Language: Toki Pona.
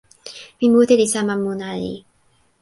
mi mute li sama mun ali.